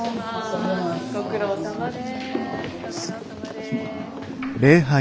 ご苦労さまです。